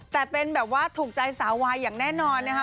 แต่เป็นแบบว่าถูกใจสาววายอย่างแน่นอนนะคะ